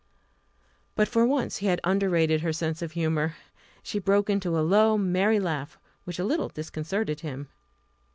But for once he had underrated her sense of humour. She broke into a low merry laugh which a little disconcerted him.